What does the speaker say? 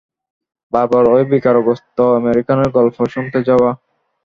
বারবার ঐ বিকারগ্রস্ত আমেরিকানের গল্প শুনতে যাওয়া।